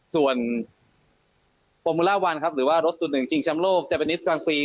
ส่วนฟอร์มูล่าวันครับหรือว่ารถศูนย์หนึ่งจริงช้ำโลกเจปนิสกลางปี